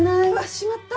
しまった！